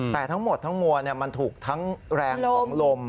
แต่ทั้งหมดทั้งมวลมันถูกทั้งแรงของลม